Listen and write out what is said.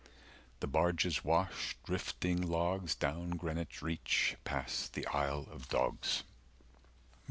The barges wash Drifting logs Down Greenwich reach 275 Past the Isle of Dogs.